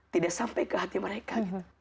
tidak sampai ke hati mereka